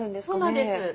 そうなんです。